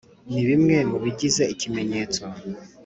ni bimwe mu bigize ‘ikimenyetso’